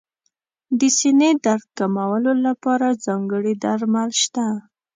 د سینې درد کمولو لپاره ځانګړي درمل شته.